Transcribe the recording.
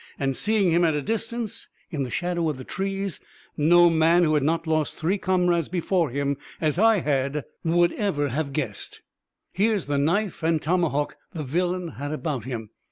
And seeing him at a distance, in the shadow of the trees, no man who had not lost three comrades before him, as I had, would ever have guessed. Here's the knife and tomahawk the villain had about him.